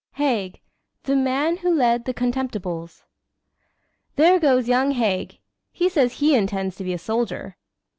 HAIG THE MAN WHO LED "THE CONTEMPTIBLES" "There goes young Haig. He says he intends to be a soldier."